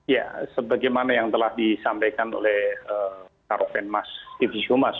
ya sebagaimana yang telah disampaikan oleh karopenmas divisi humas